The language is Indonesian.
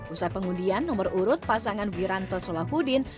usai pengundian nomor urut pasangan wiranto solahuddin